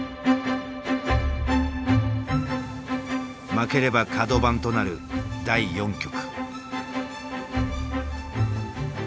負ければ角番となる第４局。